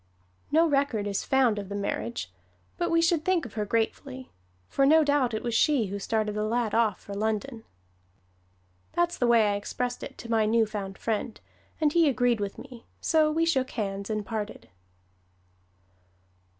No record is found of the marriage. But we should think of her gratefully, for no doubt it was she who started the lad off for London. That's the way I expressed it to my new found friend, and he agreed with me, so we shook hands and parted.